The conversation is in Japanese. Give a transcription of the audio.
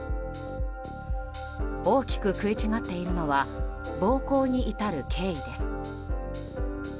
大きく食い違っているのは暴行に至る経緯です。